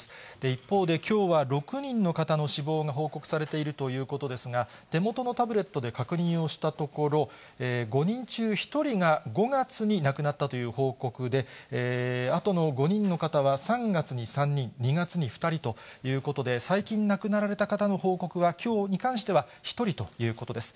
一方で、きょうは６人の方の死亡が報告されているということですが、手元のタブレットで確認をしたところ、５人中１人が５月に亡くなったという報告で、あとの５人の方は、３月に３人、２月に２人ということで、最近亡くなられた方の報告はきょうに関しては１人ということです。